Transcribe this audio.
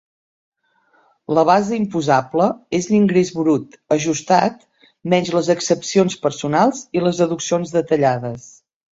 La base imposable és l'ingrés brut ajustat menys les exempcions personals i les deduccions detallades.